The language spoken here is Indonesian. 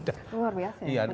luar biasa ya pendidikan